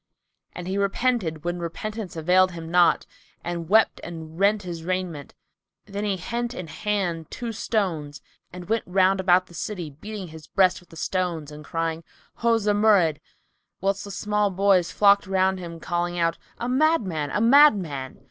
'" And he repented when repentance availed him naught, and wept and rent his raiment. Then he hent in hand two stones and went round about the city, beating his breast with the stones and crying "O Zumurrud!" whilst the small boys flocked round him, calling out, "A madman! A madman!"